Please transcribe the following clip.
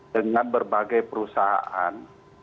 dengan berbagai perusahaan